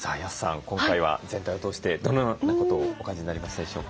今回は全体を通してどのようなことをお感じになりましたでしょうか。